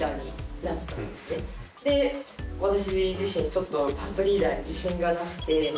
で私自身ちょっとパートリーダーに自信がなくて。